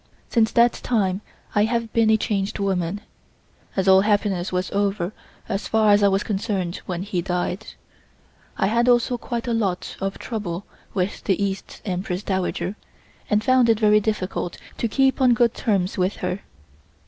Since that time I have been a changed woman, as all happiness was over as far as I was concerned when he died. I had also quite a lot of trouble with the East Empress Dowager and found it very difficult to keep on good terms with her.